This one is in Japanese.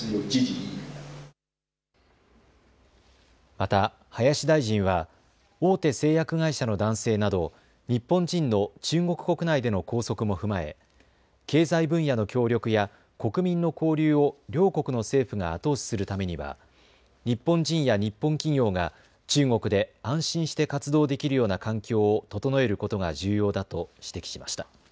また林大臣は大手製薬会社の男性など日本人の中国国内での拘束も踏まえ経済分野の協力や国民の交流を両国の政府が後押しするためには日本人や日本企業が中国で安心して活動できるような環境を整えることが重要だと指摘しました。